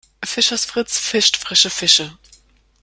Fischers Fritz fischt frische Fische.